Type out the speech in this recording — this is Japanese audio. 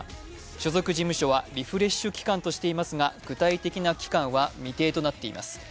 所属事務所は、リフレッシュ期間としていますが、具体的な期間は未定となっています。